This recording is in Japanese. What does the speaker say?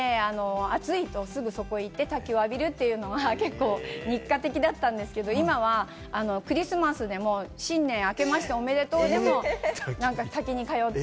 なので暑いとすぐそこに行って滝をあびるというのは結構日課的だったんですけれども、今はクリスマスでも新年あけましておめでとうでも滝に通って。